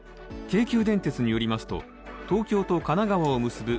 京急電鉄によりますと東京と神奈川を結ぶ